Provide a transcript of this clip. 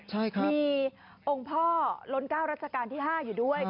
ใช่ครับมีองค์พ่อล้น๙รัชกาลที่๕อยู่ด้วย